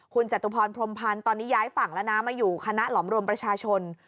คุณจตุพรพรมพันธ์ตอนนี้ย้ายฝั่งแล้วนะมาอยู่คณะหลอมรวมประชาชน